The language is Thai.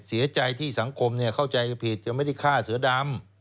เสียใจที่สังคมเข้าใจผิดจะไม่ได้ฆ่าเสือดำ